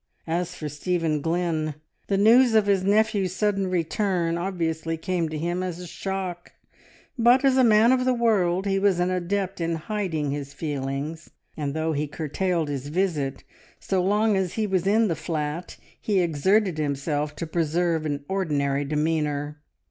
As for Stephen Glynn, the news of his nephew's sudden return obviously came to him as a shock, but as a man of the world he was an adept in hiding his feelings, and though he curtailed his visit, so long as he was in the flat he exerted himself to preserve an ordinary demeanour.